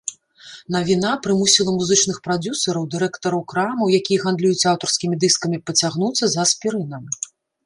Навіна прымусіла музычных прадзюсараў, дырэктараў крамаў, якія гандлююць аўтарскімі дыскамі, пацягнуцца за аспірынам.